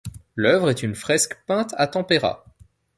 L'œuvre est une fresque peinte à tempera.